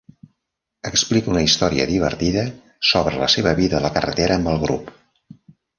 Explica una història divertida sobre la seva vida a la carretera amb el grup.